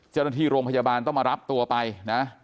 เจรถีโรงพยาบาลต้องมารับตัวไปนะ